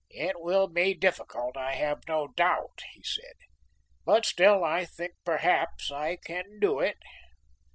"It will be difficult, I have no doubt," he said, "but still I think perhaps I can do it."